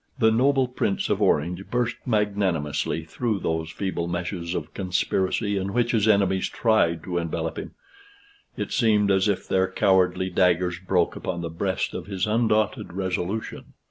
The noble Prince of Orange burst magnanimously through those feeble meshes of conspiracy in which his enemies tried to envelop him: it seemed as if their cowardly daggers broke upon the breast of his undaunted resolution.